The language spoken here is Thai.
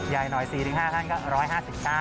ใหญ่หน่อย๔๕ขั้นก็๑๕๙บาท